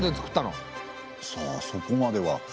さあそこまでは。